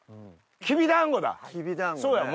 きびだんごね。